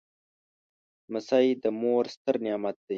لمسی د مور ستر نعمت دی.